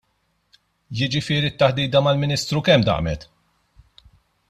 Jiġifieri t-taħdita mal-Ministru kemm damet?